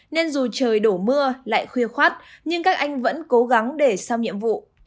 nên dù trời đổ mưa lại khuya khoát nhưng các anh vẫn cố gắng để sau nhiệm vụ